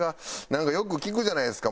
なんかよく聞くじゃないですか。